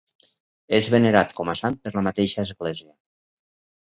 És venerat com a sant per la mateixa església.